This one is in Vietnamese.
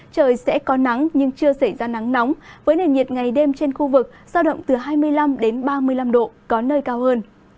trời sẽ có nắng nhưng chưa xảy ra nắng nóng với nền nhiệt ngày đêm trên khu vực sao động từ hai mươi năm ba mươi năm độ có nơi cao hơn